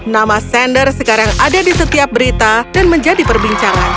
nama sander sekarang ada di setiap berita dan menjadi perbincangan